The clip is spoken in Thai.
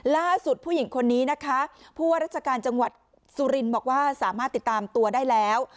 ผู้หญิงคนนี้นะคะผู้ว่าราชการจังหวัดสุรินทร์บอกว่าสามารถติดตามตัวได้แล้ว